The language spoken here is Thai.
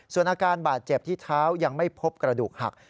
ส่วนอาการบาดเจ็บที่เท้ายังไม่พบกระดูกหัก